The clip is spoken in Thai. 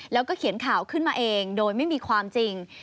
แล้วก็เขียนข่าวขึ้นมาเองโดยไม่มีความจริง